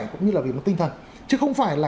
cũng như là vì nó tinh thần chứ không phải là